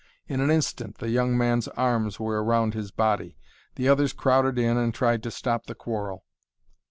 In an instant the young man's arms were around his body. The others crowded in and tried to stop the quarrel.